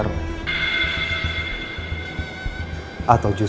hanya benefici pulang